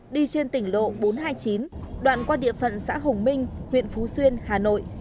đi trên tỉnh lộ bốn trăm hai mươi chín đoạn qua địa phận xã hồng minh huyện phú xuyên hà nội